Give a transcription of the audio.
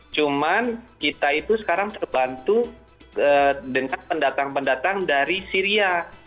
cuman kita itu sekarang terbantu dengan pendatang pendatang dari syria